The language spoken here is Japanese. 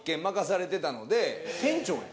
店長やん。